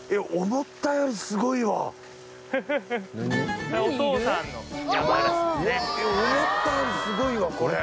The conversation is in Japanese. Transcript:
思ったよりすごいわこれ。